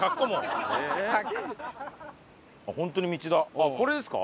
あっこれですか？